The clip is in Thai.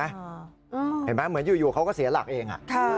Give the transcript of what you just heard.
เห็นไหมเหมือนอยู่เขาก็เสียหลักเอง